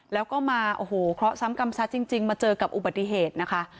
แล้วก็มาโอ้โหเคราะห์กรรมซะจริงมาเจอกับอุบัติเหตุนะคะ